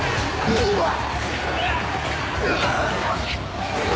うわっ。